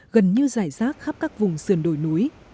gần như giải rác khắp các vùng sườn đồi núi